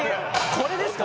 これですか？